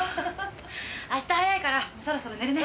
明日早いからそろそろ寝るね。